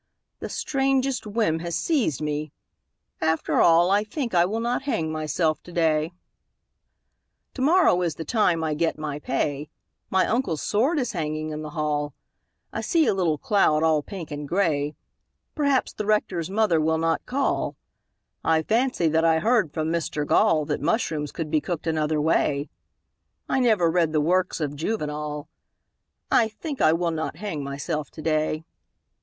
The strangest whim has seized me ... After all I think I will not hang myself today. Tomorrow is the time I get my pay My uncle's sword is hanging in the hall I see a little cloud all pink and grey Perhaps the Rector's mother will not call I fancy that I heard from Mr Gall That mushrooms could be cooked another way I never read the works of Juvenal I think I will not hang myself today.